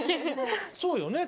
そうよね